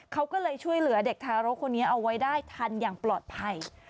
เขาก็เลยช่วยเหลือเด็กทารกคนนี้เอาไว้ได้ทันอย่างปลอดภัย